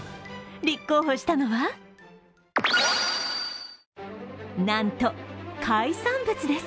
立候補したのはなんと、海産物です。